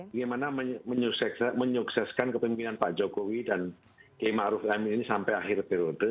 bagaimana menyukseskan kepemimpinan pak jokowi dan ksj maruf amin ini sampai akhir periode